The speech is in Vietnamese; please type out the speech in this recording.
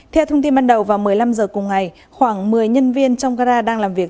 theo thông tin ban đầu vào một mươi năm h cùng ngày khoảng một mươi nhân viên trong gara đang làm việc